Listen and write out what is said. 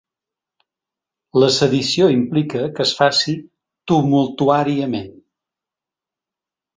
La sedició implica que es faci ‘tumultuàriament’.